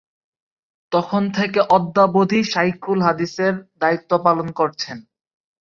তখন থেকে অদ্যাবধি শায়খুল হাদিসের দায়িত্ব পালন করছেন।